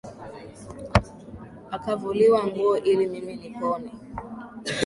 Akavuliwa nguo, ili mimi nipone.